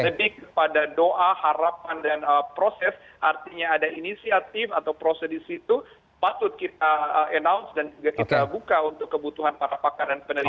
jadi pada doa harapan dan proses artinya ada inisiatif atau prosedur di situ patut kita announce dan juga kita buka untuk kebutuhan para pakar dan peneliti